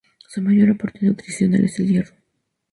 Su mayor aporte nutricional es el hierro.